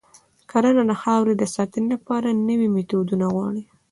کرنه د خاورې د ساتنې لپاره نوي میتودونه غواړي.